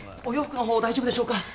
お洋服の方大丈夫でしょうか？